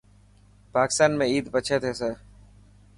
پاڪستان ۾ عيد پڇي ٿيسي.